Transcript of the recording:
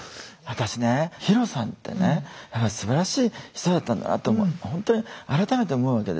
私ねヒロさんってねすばらしい人だったんだなとほんとに改めて思うわけですよね。